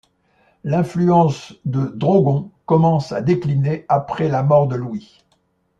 L'influence de Drogon commence à décliner après la mort de Louis.